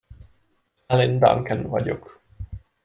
Aline Duncan vagyok!